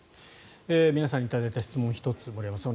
皆さんに頂いた質問を１つ、森山さん